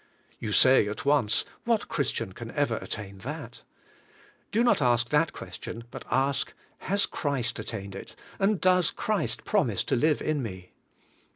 You say at once, "What Christian can ever at tain that ?" Do not ask that question, but ask, " Has Christ attained it and does Christ promise to live in me?"